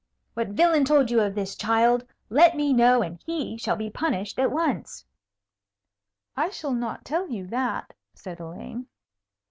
What villain told you of this, child? Let me know, and he shall be punished at once." "I shall not tell you that," said Elaine.